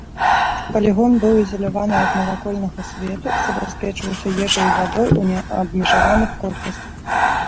Палігон быў ізаляваны ад навакольнага свету, забяспечваўся ежай і вадой у неабмежаваных колькасцях.